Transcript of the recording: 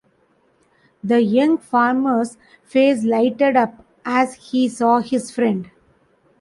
The young farmer’s face lighted up as he saw his friend.